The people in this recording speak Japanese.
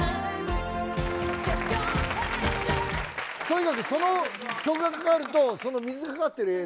とにかくその曲がかかると水掛かってる映像が。